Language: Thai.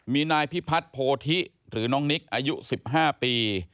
มีนายพิพัฒน์โพธิหรือน้องนิกอายุ๑๕ปี